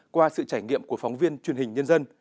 qua sự trải nghiệm của phóng viên truyền hình nhân dân